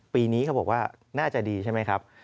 ปีนี้เขาบอกว่าน่าจะดีใช่ไหมครับ